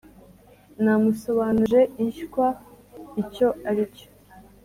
Namusobanuje inshywa icyo ari cyo